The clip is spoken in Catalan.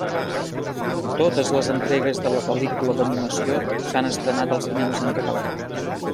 Totes les entregues de la pel·lícula d'animació s'han estrenat als cinemes en català.